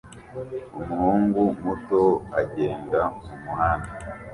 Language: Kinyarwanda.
Umuhungu muto agenda mumuhanda